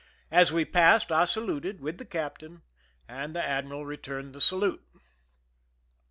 As we passed, I saluted, with the captain, and the admiral returned the salute.